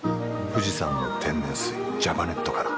富士山の天然水ジャパネットから。